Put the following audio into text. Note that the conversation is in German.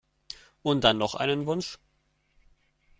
Und dann noch einen Wunsch?